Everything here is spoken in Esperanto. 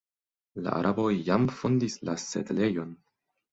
La araboj jam fondis la setlejon.